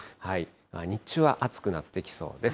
日中は暑くなってきそうです。